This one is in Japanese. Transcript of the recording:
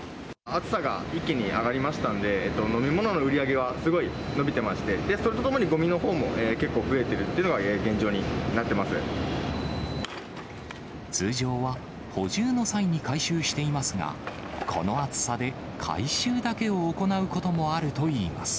暑さが一気に上がりましたんで、飲み物の売り上げはすごい伸びてまして、それとともにごみのほうも結構増えてるっていうのが現状になって通常は補充の際に回収していますが、この暑さで回収だけを行うこともあるといいます。